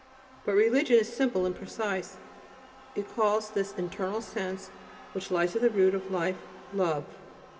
But religion is simple and precise: it calls this internal sense which lies at the root of life, Love.